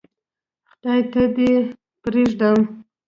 خدای ته یې پرېږدم.